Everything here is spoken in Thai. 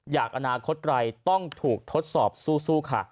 อนาคตไกลต้องถูกทดสอบสู้ค่ะ